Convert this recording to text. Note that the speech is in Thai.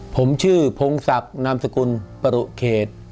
ผมชื่อพงศักดิ์นามสกุลปรุเขต